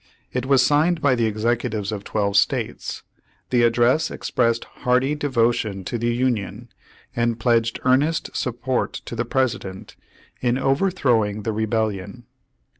It was signed by the executives of twelve States. The address expressed hearty de votion to the Union, and pledged earnest support to the President in overthrowing the rebellion.